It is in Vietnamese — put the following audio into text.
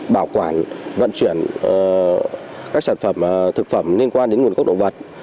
bảo quản vận chuyển các sản phẩm thực phẩm liên quan đến nguồn gốc động vật